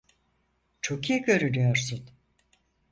Çok iyi görünüyorsun.